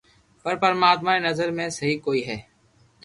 پر پرماتما ري نظر ۾ سھي ڪوئي ھي